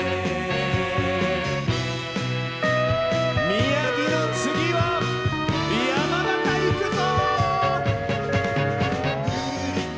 宮城の次は山形いくぞ！